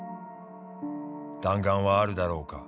弾丸はあるだろうか。